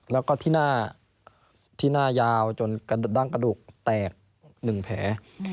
แล้วก็ที่หน้ายาวจนกระดั้งกระดูกแตก๑แผล